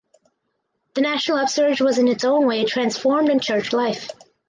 The national upsurge was in its own way transformed in Church life.